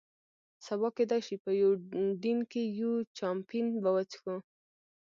سبا کېدای شي په یوډین کې یو، چامپېن به وڅښو.